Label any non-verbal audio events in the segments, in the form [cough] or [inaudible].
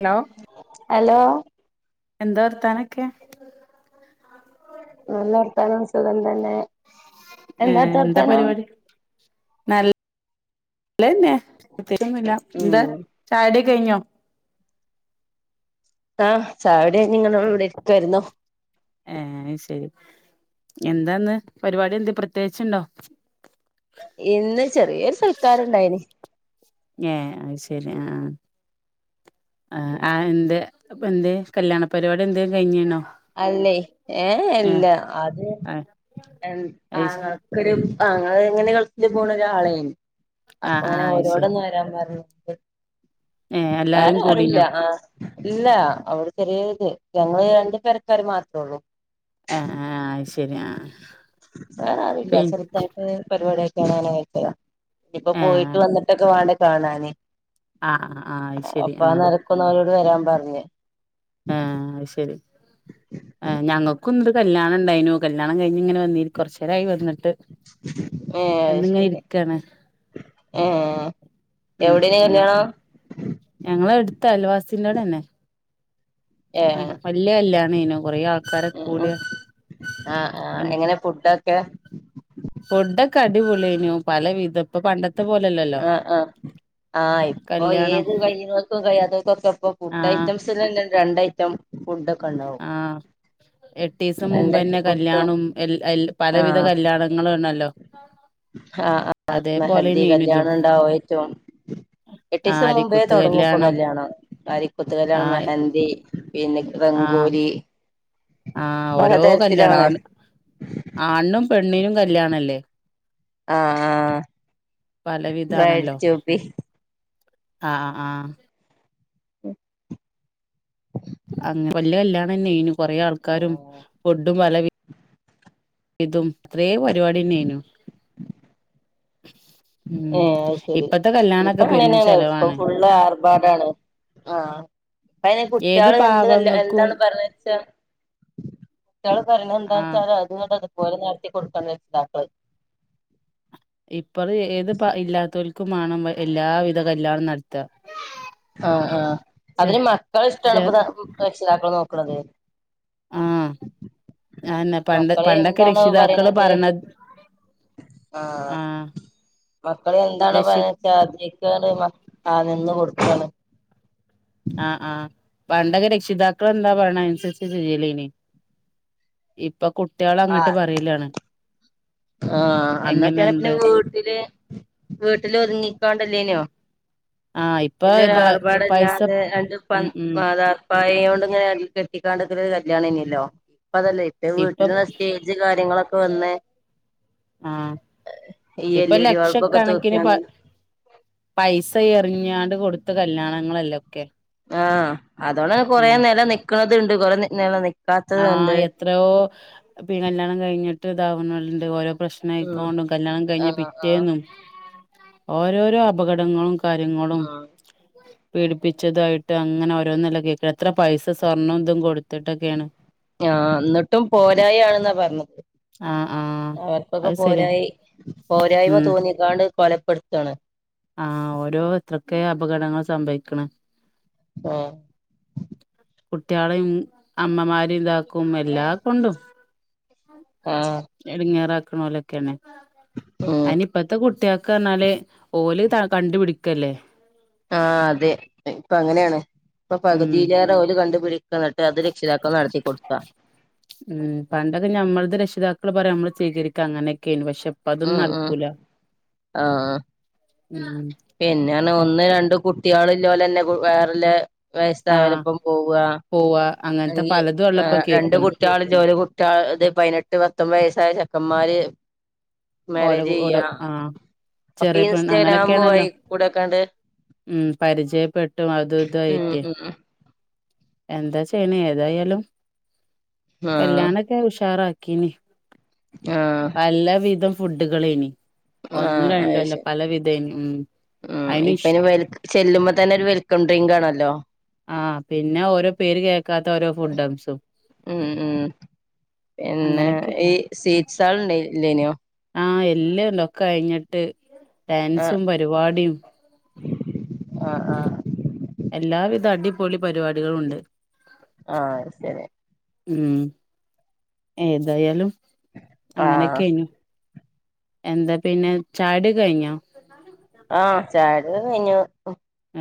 Hello hello എന്താ വർത്താനൊക്കെ? നല്ല വർത്താനം സുഖം തന്നെ എന്താത്തെ വർത്താനം നല്ലെന്നേ പ്രത്യേകിച്ചൊന്നുല്ല ഉം എന്താ ചായടി ഒക്കെ കഴിഞ്ഞോ ആഹ് ചായുടി കഴിഞ്ഞ് ഇങ്ങനെ ഇവിടെ ഇരിക്കായിരുന്നു ഏഹ് ശെരി എന്താന്ന് പരിപാടി എന്ത് പ്രത്യേകിച്ചുണ്ടോ ഇന്ന് ചെറിയൊരു സൽക്കാാര ഇണ്ടായിന്. ഏ അത് ശരി ആ. ആ ആ എന്ത് എന്ത് കല്യാണ പരിപാടി എന്ത് കഴിഞ്ഞണോ. അല്ലേ ഏഹ അല്ല അത് ആ അത് ശ ആങ്ങ. ആ എങ്ങനെ ഗൾഫില് പോണ ഒരാളൊണ്. ആ അപ്പൊ ആ അങ്ങനെ അത് ശരി ഓരോടൊന്നും വരാൻ പറഞ്ഞ് ഏ എല്ലാരും വേറെ ആരുല്ല കൂടീനോ ആ. ഇല്ല അവിടെ ചെറിയ ഇത് ഞങ്ങള് രണ്ട് പിരക്കാര് മാത്രേ ഉള്ളൂ. ആ ആ ആയി ശരി ആ. പി അതില്ല ചെറുതായിട്ട് പരിപാടിയൊക്കെ കാണാന. ഇഞ്ഞ് ഇപ്പോ ഏ ആ പോയിട്ട് വന്നിട്ടൊക്കെ വേണ്ട കാണാന്. ആഹ് ആ ആഹ് ശരി ആഹ. ക്കും അവരോട് വരാൻ പറഞ്ഞ്. ആഹ അ ശരി. ഞങ്ങക്കു ഇന്നരു കല്യാണം ഉണ്ടായിനോ കല്യാണം കഴിഞ്ഞഞ് ഇങ്ങനെന്നി കൊറച്ച നേരായി വന്നിട്ട്. എ എന്നിങ്ങനെ ശരി ഇരിക്കാണ് ഏ ഉം എവിടൊന് ഞങ്ങ കല്യാണം. ഞങ്ങളെ എടുത്ത അയൽവാസന്റെറെോടെ തന്നെ. ഏ അഹ് വല്യ കല്ല്യാണേനു കൊറെേ ആൾക്കാരൊക്കെ കൂടി ആഹ് ആഹ് എങ്ങനെ ഫുഡ്ഡൊക്കെ? ഫുഡ്ഡൊക്കെ അടിപൊള്യേനു, പല വിധം. ഇപ്പ പണ്ട ആഹ് ആഹ്, ആഹ് ഇപ്പൊ കല്യാണം ഏത് കയ്യ്ണോൽക്കും കയ്യാത്തോൽക്കൊക്കെപ്പം ആഹ് ഫുഡ്ഡൈറ്റംസ് സ് ലെന്നെ രണ്ടയ്റ്റം ഫുഡ് ഉണ്ടാവും ആഹ്. എട്ടീസം രണ്ടൈറ്റം മുമ്പെന്നെ ഫുഡും കല്യാണും എൽ എൽ ആ പലവിധ കല്യാണങ്ങളു ആണല്ലോ. [unintelligible] മെഹന്ദി ഇതും കല്യാണം ഇണ്ടാവായ്റ്റും എട്ടീസം മുമ്പേ ആര്യക്കുത്ത് തൊടങ്ങുപ്പം കല്യാണം കല്ല്യാണം. അരിക്കുത്ത് കല്ല്യാണം ആഹ് മെഹൻ ന്ദി പിന്നെ ആഹ് റങ്കോലി ആഹ് ഓരോ കല്ല്യാണം, ആണ് ആണിനും പെണ്ണിനും കല്ല്യാണല്ലേ. ആഹ് ബ്രൈഡ് പലവിധാണല്ലോ ടു ബി. ആഹ് ആ ആഹ്. [unintelligible] അങ്ങ് വല്യ കല്ല്യാണെന്നേനു. കൊറേ ആൾക്കാരും, ആഹ് ഫുഡ്ഡും പലവി ഇതും, ഇത്രേ പരിപാട്യെന്നേനു. ഏഹ് അത് ശരി. കല്യാണൊക്കെ പെരും ഇപ്പങ്ങനേണ്, ഇപ്പം ചെലവാണ് ഫുള്ള് ആർഭാടാണ്. ആഹ്, ഇപ്പയ്ന് ഏത് കുട്ട്യാള് എന്ത്നല്ല പാവങ്ങക്കും എന്താണ് പർഞ്ഞേച്ചാ കുട്ട്യാള് പറിണെ ആഹ് എന്താച്ചാല് അത്ങ്ങട്ട് അതുപോലെ നടത്തി കൊടുക്കാണ് രക്ഷിതാക്കള്. ഇപ്പള് ഏത് പ ഇല്ലാത്തോൽക്കും മാണം എല്ലാവിധ കല്യാണും നട്ത്ത. ആഹ് ആഹ്. അതിന് മക്കളെ ഇഷ്ടാണ് ചെ ഇപ്പൊ രക്ഷിതാക്കള് നോക്ക്ണത്. ആഹ് അതെന്നെ പണ്ട് മക്കള് പണ്ടൊക്കെ എന്താണോ രക്ഷിതാക്കള് പറിണത് പറയണ ആഹ്, മക്കള് എന്താണോ രക്ഷി പറിണ [unintelligible] ക്കാണ് മ ആഹ് നിന്ന് കൊട്ക്കാണ്. ആഹ് ആഹ്. പണ്ടൊക്കെ രക്ഷിതാക്കള് എന്താ പറിണെ അയ്നൻസര്ച്ച് ചെയ്യലേനി. ഇപ്പൊ കുട്ട്യാളങ്ങട്ട് ആഹ് പറയലാണ്. ആഹ്, എങ്ങനെ അന്നൊക്കേർഞ്ഞ പിന്നെ എന്ത് വീട്ടില് വീട്ടില് ഒതുങ്ങിക്കാണ്ടല്ലേന്യോ. ആഹ് ഇപ്പൊ പ പൈസ വല്യൊരാർഭാടല്ലാതെ ഉം ഉം [unintelligible] പായോണ്ട്ങ്ങനെ അടീകെട്ടിക്കാണ്ടൊക്കൊര് കല്ല്യാണേന്യെല്ലോ. ഇപ്പതല്ല, ഇപ്പ ഇപ്പം വീട്ടില് സ്റ്റേജ് ജ്ജ് കാര്യങ്ങളൊക്കെ വന്ന്േ. ആഹ് ഈ ഇപ്പ എൽ ഇ ഡി ബൾബൊക്കെ ലക്ഷക്കണക്കിന് തൂക്കിയാണ് പ പൈസ എറിഞ്ഞാണ്ട് കൊടുത്ത കല്യാണങ്ങളല്ലൊക്കെ. ആഹ്, അതോണ്ടെന്നെ കൊറെേ നെല നിക്ക്ണത്ണ്ട്, കൊറേ നി നെല നി ആഹ് എത്രയോ പി കല്യാണം കഴിഞ്ഞിട്ട് ഇതാവ്ണോല്ണ്ട് ഓരോ പ്രശ് ഉം നയ്ക്കോണ്ടും, കല്ല്യാണം കഴിഞ്ഞ ആഹ് ആഹ് പിറ്റേന്നും ഓരോരോ അപകടങ്ങളും കാര്യങ്ങളും ഉം പീഡപ്പിച്ചതായിട്ട് അങ്ങനെ ഓരോന്നല്ലെ കേക്ക, എത്ര പൈസ സ്വർണ്ണും തും കൊട്ത്ത്ട്ടൊക്കേണ് ആഹ് ന്ന്ട്ടും പോരായാണ്ന്നാ പർഞ്ഞ ആഹ് ആഹ് അവർക്കൊക്കെ അത് ശരിയാ പോരായി, പോരായ്മ ഉം തോന്നിക്കാണ്ട് കൊലപ്പെട്ത്താണ്. ആഹ് ഓരോ എത്രൊക്കേ അപകടങ്ങള് സംഭവിക്ക്ണ്. ആഹ് കുട്ട്യാളിം അമ്മമാരിം ഇതാക്കും എല്ലാ കൊണ്ടും ആഹ് എട്ങ്ങേറാക്ക്ണോലൊക്കേണ്. ഉം അയ്നിപ്പത്തെ കുട്ട്യാ ക്കർഞ്ഞാല് ഓല് ത കണ്ടുപിടിക്കല്ലേ. ആ അതെ ഇപ്പൊ അങ്ങനെയാണ് ഇപ്പൊ ഉം പകുതിയിലേറെ ഓല് കണ്ടുപിടിക്കാണ് അത് രക്ഷിതാക്കൾ നടത്തി കൊടുത്ത ഉം പണ്ടൊക്കെ ഞമ്മൾടെ രക്ഷിതാക്കൾ പറയും നമ്മൾ സ്വീകരിക്കാ അങ്ങനെയൊക്കെയ്നു പക്ഷെ ഇപ്പൊ അതൊന്നും ഉം ഉം നടക്കൂല ആഹ് ഉം പിന്നെയാണ് ഒന്ന് രണ്ട് കുട്ടികള് ഇല്ലോല് തന്നെ വേറെല്ല ആഹ് വയസ്സായാരൊപ്പം പോവാ പോവാ അങ്ങനത്തെ അല്ലെങ്കി പലതും ഏ ഉള്ളപ്പോ രണ്ട് കേക്കണ് കു ട്ടിയാള് ഇല്ലോല് കുട്ടിയാള് ഇത് പതിനെട്ട് പത്തൊമ്പത് വയസ്സായ ചെക്കന്മാര് ഓല മാരേജ് കു ചെയ്യ ഓലോ ആ ഒക്കെ ചെറിയ പെണ്ണ് അങ്ങനെ ഇൻസ്റ്റഗ്രാം വഴി ക്കേയാണല്ലോ കൂടെക്കണ്ട് ഉം പരിചയപ്പെട്ടും അതും ഇതും ഉം ആയിട്ടേ ഉം എന്താ ചെയ്യ്ണെ ഏതായാലും ആഹ് കല്യാണ ക്കെ ഉഷാറ് ആക്കീനി ആ എല്ല വിധം ഫുഡുകളെയ്നി ഒന്നും ആഹ് അത് രണ്ടും അല്ല ശരി പല വിതെയ്നി ഉം ഉം അയിന് ഇഷ് ഇപ്പയ്ന് വെൽ ചെല്ലുമ്പോ തന്നെ ഒരു വെൽക്കം ഡ്രിങ്ക് ആണല്ലോ ആ പിന്നെ ഓരോ പേര് കേൾക്കാത്ത ഓരോ ഫുഡംസും ഉം ഉം പിന്നെ അങ്ങനെയൊക്കെ ഈ സ്വീറ്റ്സ്കാള് ഉണ്ടാ ഇല്ലേനേ ആ എല്ലാംണ്ടൊക്കെ കഴിഞ്ഞിട്ട് ആഹ് ഡാൻസും പരിപാടിം ആഹ് ആഹ് എല്ലാവിധ അടിപൊളി പരിപാടികളും ഉണ്ട് ആത് ശരി ഉം ഏതായാലും ആഹ് അങ്ങനെയൊക്കെയിഞ്ഞു എന്താ പിന്നെ ചായ കുടി കഴിഞ്ഞോ ആ ചായ കുടിക്കെ കഴിഞ്ഞു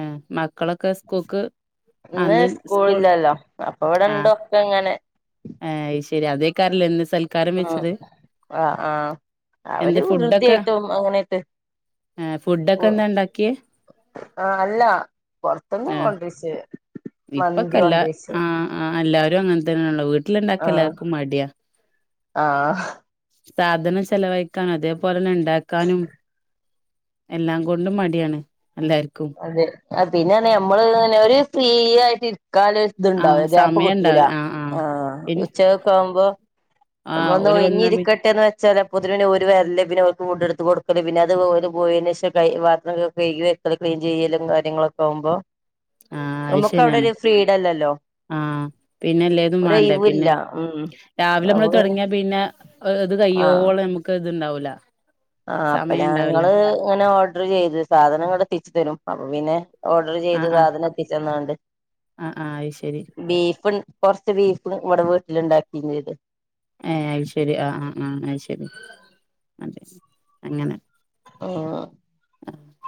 ഉം മക്കളൊക്കെ സ്കൂക്ക് ഇന്ന് സ്കൂള് ഇല്ലല്ലോ അപ്പൊ ഇവടെ ഉണ്ട് ഒക്കെ ഇങ്ങനെ ആ അത് ശരി അതേക്കാരല്ലേ ഇന്ന് സൽ ഉം ആ ആ എന്താ അവര് വൃദ്ധി ഫുഡൊക്കെ ആയിട്ടും അങ്ങനെയിട്ട് ഏഹ് ഫുഡൊക്കെ എന്താ ഉണ്ടാക്കിയെ ആ അല്ല പൊറത്ത്ന്ന് ഏഹ് കൊണ്ട്രിച്ച് മന്തി ഇപ്പൊക്കെല്ല കൊണ്ട്രിച്ച് ആ ആ എല്ലാരും അങ്ങൻ തന്നെയാണല്ലോ വീട്ടില്ണ്ടാക്ക ആഹ് എല്ലാർക്കും മടിയാ ആഹ് സാധനം ചെലവഴിക്കാനും അതേ പോലെന്നെ ഉണ്ടാക്കാനും എല്ലാം കൊണ്ടും മടിയാണ് എല്ലാർക്കും അതെ അ പിന്നെ നമ്മള് അങ്ങനെ ഒരു ഫ്രീ ആയിട്ട് ഇരിക്കാലോ ആ ഇതുണ്ടാവുല്ല ഗ്യാപ്പ് സമയം കിട്ടൂല ഉണ്ടാവ ആ പി ഉച്ചകൊക്കെ ആവുമ്പോ ആ നമ്മള് ഒന്ന് ഓല് വന്നാ പി ഒഴിഞ്ഞിരിക്കട്ടെ എന്ന് ചെലപ്പോത്തിന് പിന്നെ ഓര് വര്‌ല്ല് പിന്നെ ഓൽക്ക് ഫുഡ് എടുത്ത് കൊടുക്കല് പിന്നെ അത് ഓല് പോയതിന് ശേഷം കൈ പാത്രൊക്കെ കഴുകി അടുക്കള ക്ലീൻ ചെയ്യലും കാര്യങ്ങളൊക്കെ ആവുമ്പോ ആ അത് നമുക്ക് അവിടെ ശരിയാണ് ഒരു ഫ്രീഡല്ലല്ലോ ആ പിന്നെല്ലേതും വേണ്ടേ ഒരൊഴിവില്ല പിന്നെ ഉം രാവിലെ നമ്മള് തുടങ്ങിയാ പിന്നെ ഇത് കയ്യോളം നമുക്ക് ഇത്ണ്ടാവൂല ആ അപ്പൊ സമയം ഉണ്ടാവില്ല ഞങ്ങള് ഇങ്ങനെ ഓർഡർ ചെയ്ത് സാധനം ഇങ്ങട്ട് എത്തിച്ചു തരും അപ്പൊ പിന്നെ ഓർഡർ ചെയ്ത് സാധനം എത്തിച്ച് തന്നാണ്ട് ആഹ് ആഹ് അയ് ശരി ബീഫ് കൊർച്ച് ബീഫ് ഇവടെ വീട്ടില് ണ്ടാക്കിം ചെയ്ത് ഏഹ് അയ്ശരി ആ ആ ആഹ് അയ് ശരി അതെ അങ്ങനെ ആ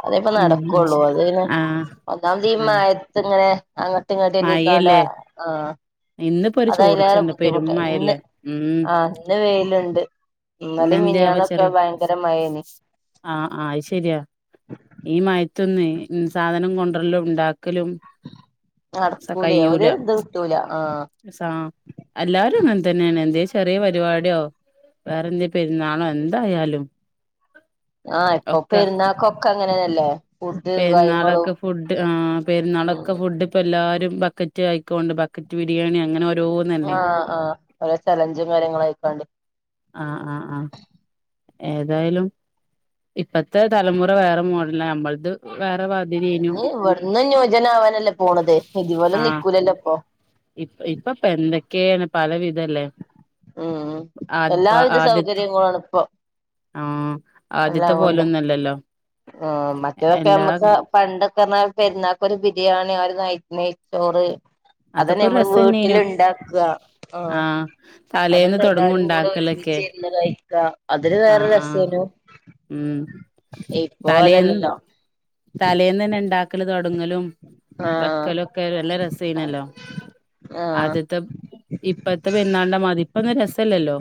അതേപ്പ ഉം ആ നടക്കൊള്ളു ശരി അത്പിന്നെ ആ ഒന്നാമതീ ആ മയ ത്ത് ങ്ങനെ അങ്ങട്ട് ഇങ്ങട്ടെല്ലിക്കാണ്ട് മഴയല്ലേ ആ ഇന്നിപ്പോ ഒരു അതയ്ലേറെ ചോർച്ചണ്ട് പെരും ബുദ്ധിമുട്ട ഇന്ന് മഴല്ലേ ഉം ആ ഇന്ന് വെയ്ല്ണ്ട് ഇന്നലേം ഇന്നെന്താവോ മിനിയാന്നൊക്ക ചെറിയ ഭയങ്കര മഴേനി ആഹ് ആഹ് അത് ശെരിയാ ഈ മയത്ത്ന്ന് സാധനം കൊണ്ട്രലും ണ്ടാക്കലും നടക്കൂലേ ഒരു ഇത് കിട്ടൂല ആഹ് സാ എല്ലാരും അങ്ങൻത്തെന്നേണ് എന്തേലും ചെറിയ പരിപാടിയോ വേറെന്തേ പെര്ന്നാളോ എന്തായാലും ആ ഇപ്പൊ പെരുന്നാക്കൊക്കെ അങ്ങനെന്നല്ലേ ഫുഡ് കാര്യങ്ങളും പെര്ന്നാളൊക്കെ ഫുഡ് ആ ഉം പെര്ന്നാളൊക്കെ ഫുഡ് ഇപ്പ എല്ലാരും ബക്കറ്റ് ആയിക്കോണ്ട് ബക്കറ്റ് ബിരിയാണി അങ്ങനെ ഓ ആഹ് ആഹ് ഓരോ ചലഞ്ചും കാര്യങ്ങളും ആയിക്കാണ്ട്‌ ആഹ് ആഹ് ആഹ് ഏതായാലും ഇപ്പത്തെ തലമുറ വേറെ മോഡല നമ്മളത് വേറെ വാ ഇനി ഇവിട്ന്നും ന്യൂജനാവാനല്ലേ പോണത് ഇതുപോലെ ആഹ് നിക്കൂലല്ലൊപ്പൊ ഇപ്പ ഇപ്പപ്പൊന്തൊക്കെണ് പലവിധല്ലേ ആത് പ്പ ആദ്യത്ത് പ്പോണപ്പൊ ആ ആദ്യത്തെ പോലൊന്നല്ലല്ലോ ആ മറ്റേതൊക്കെ എല്ലാ ഞമ്മക്ക് പണ്ടൊക്കെ ന്ന് പർഞ്ഞ പെര്ന്നാക്കൊര് ബിരിയാണി ആ ഒരു നൈറ്റ്‌ നെയ് ച്ചോറ് അതൊക്കെ അതെന്നെ ഒരു നമ്മള് രസന്നേനു വീട്ടില്ണ്ടാക്ക ആ തലേന്ന് അതെന്നെ തൊടങ്ങും എല്ലാരും കൂടെ ഉണ്ടാക്കലൊക്കെ ഒരുമിച്ച് ന്ന് കഴിക്ക അതൊരു ആ വേറൊരു ആ രസേനു ഉം ഇപ്പൊ അതല്ലല്ലോ തലേന്നെന്നെ ണ്ടാക്കല് തൊടങ്ങലും ആഹ് വെക്കലൊക്കെ നല്ല രസെനല്ലോ ആഹ് അദ്യത്തെ ഇപ്പത്തെ പെരുന്നാൾ ന്റെ മാതിരി ഇപ്പൊന്നും രസല്ലല്ലോ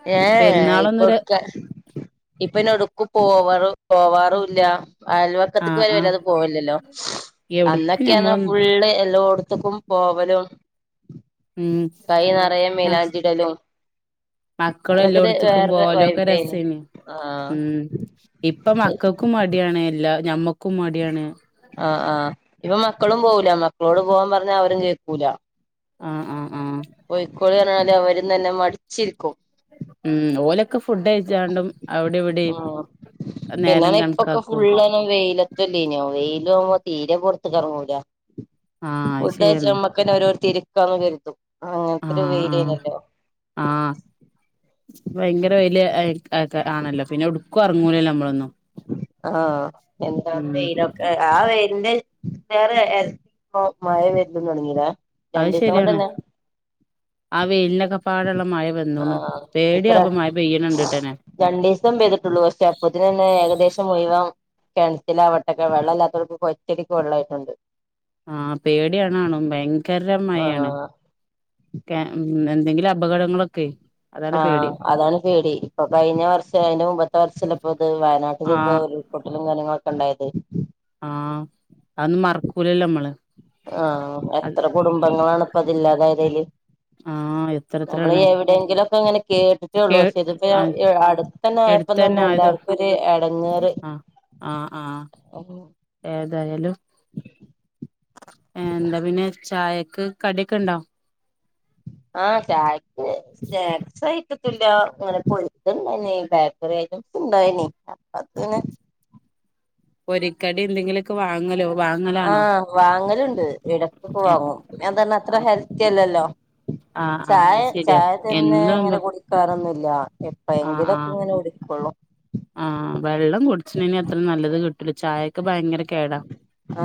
ഏഹ് ഏഹ് പെരുന്നാളൊന്നും ര ഇപ്പൊട്ക്ക ഇപ്പയ്ന് എവ്ട്ക്കും പോവറ് പോവാറൂല്ല ആ അയൽവക്കത്ത്ക്ക് വെരെ ആ വെല്ലാതെ പോവൽല്ലല്ലോ എവിടക്കും അന്നൊക്കെർഞാ ഞമ്മളൊന്നും ഫുള്ള് എല്ലോട്ത്ത്ക്കും പോവലും ഉം കൈ നെറയെ അ മൈലാഞ്ചിടലും മക്കളും അതൊക്കെ ഒരു എല്ലോട്ത്ത്ക്കും വേറൊരു പോവലും ഒക്കെ വൈബേനി രസേനി ആഹ് ഉം ഇപ്പം മക്കക്കും മടിയാണ് എല്ലാ ഞമ്മക്കും മടിയാണ് ആഹ് ആഹ് ഇപ്പൊ മക്കളും പോവൂല മക്കളോട് പോവാൻ പർഞ്ഞാ അവരും കേക്കൂല ആ ആ ആ പൊയ്ക്കോളിന്ന് പർഞ്ഞാല് അവരും തന്നെ മടിച്ചിരിക്കും ഉം ഓലൊക്കെ ഫുഡ് കഴിച്ചാണ്ടും അവടെ ഇവടിം ഉം നേരം കൺക്കാക്കും പ്പം വെയിലത്തല്ലേനോ വെയിലും ആവുമ്പോ തീരെ പൊർത്ത്ക്കെർങ്ങൂല ആഹ് അത് ഫുഡയ്ച്ച് ശരിയാണ് ഞമ്മക്കെന്നെ ഓരോര്ത്ത് ഇരിക്കാന്ന് കെര്തും അങ്ങൻത്തൊരു വെയിലേനല്ലോ ആ വയങ്കര വെയ്ല് ആയ് അതൊക്കെ ആണല്ലോ പിന്നെ എവ്ട്ക്കും എറങ്ങൂലല്ലോ നമ്മളൊന്നും ഉം ക്കെ ആ വെയ്ല്ന്റെ ഏറെ എര് പ്പോ മയ വെര്ലും തൊടങ്ങി ലേ അത് രണ്ടീസം ശരിയാണ് കൊണ്ടെന്നെ ആ വെയ്നൊക്കെപ്പാടെള്ള മഴ വന്നുന്ന് ആഹ് ഇപ്പൊ പേട്യ പ്പ രണ്ട് മഴ പെയ്യണണ്ട്ട്ടെന്നെ രണ്ടീസം പെയ്തിട്ടുള്ളൂ. പക്ഷെ അപ്പോത്തിനന്നെ ഏകദേശം മുഴുവൻ കെൺറ്റിലാവട്ടക്കെ വെള്ളല്ലാത്തവർക്ക് ഒറ്റടിക്ക് വെള്ളയിട്ടുണ്ട്. ആഹ് പേടിയാണാണും ഭയങ്കര മഴയാണ്. ആഹ് ഒക്കെ ഉം എന്തെങ്കിലും അപകടങ്ങളൊക്കെയ് ആഹ് അതാണ് പേടി. ഇപ്പൊ കഴിഞ്ഞ വർഷം അതിന്റെ മുമ്പത്തെ വർഷല്ലെ ഇപ്പ ഇത് വയനാട്ടില് ഇപ്പൊ ആഹ് ഒരു പൊട്ടലും കാര്യങ്ങളൊക്കെ ഉണ്ടായത്. ആഹ് അതൊന്നും മറക്കൂലല്ലൊ നമ്മള്. ആഹ് അത് എത്ര കുടുംബങ്ങളാണ് ഇപ്പ അതില്ലാതായതയില്. ആഹ് എത്ര നമ്മള് ഈ എത്രയാണ് എവിടെയെങ്കിലും ഒ ഇപ്പ ഇങ്ങനെ കേട്ടിട്ടേ ഉള്ളൂ കേ പക്ഷെ ഇതിപ്പോ ആഹ് ഈ ഏഹ് അടുത്തന്നെ ആയപ്പം എടുത്തന്നെ തന്നെ ആയത് എല്ലാവർക്കും ഒരു എടങ്ങേറ്. ആഹ് ആഹ് ഉം ഏതായാലും. [inaudible] ഏന്താ പിന്നെ. ചായക്ക് കടിയൊക്കെ ഇണ്ടോ? ആഹ് ചായക്ക് സ്നാക്സായിട്ടെത്തുല്ല. അങ്ങനെ പൊരിക്കണ്ടയിനേ ബേ ക്കേറി ഐറ്റംസ് ഇണ്ടായനി. അത് ഇങ്ങൻ പൊരിക്കടി എന്തെങ്കിലൊക്കെ വാങ്ങലോ വാങ്ങലാണോ ആഹ് വാങ്ങലുണ്ട്. ഇടക്കൊക്കെ ആഹ് വാങ്ങും. പിന്നെ അത് അർഞ്ഞാ അത്ര ആഹ് ഹെൽത്തിയല്ലല്ലോ. ആഹ് ചായ അത് ശരിയാ ചായ തന്നെ എന്നും അങ്ങനെ കുടി ക്കറൊന്നുല്ല. എപ്പ ആഹ് ഴെങ്കിലും ഒക്കെ ആഹ് ഇങ്ങനെ കുടിക്കൊള്ളൂ. ആഹ് വെള്ളം കുടിച്ചിണ്ന് എത്ര നല്ലത് കിട്ടൂല. ചായൊക്കെ ഭയങ്കര കേടാ.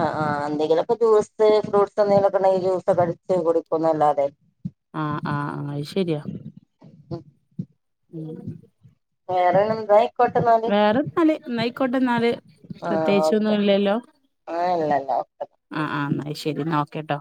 ആഹ് ആഹ് എന്തെങ്കിലൊക്കെ ജൂസ് ഫ്രൂട്ട്സ് എന്തെങ്കിലൊക്കെ ഉണ്ടെങ്കി ജ്യൂസ് ഒക്കെ അടിച്ച് കുടിക്കുന്നല്ലാതെ ആഹ് ആഹ് ആഹ് അത് ശരിയാ ഉം വേറെ [unintelligible] ന്തായി വേറെന്നാല് ന്നായിക്കോട്ടെന്നാല്. പ്രത്യേകിച്ചൊന്നും ഇല്ലല്ലോ. ഏഹ് ഇല്ലല്ല. ആഹ് ആഹ് എന്നാ ശരി എന്ന ഓക്കെ ട്ടോ.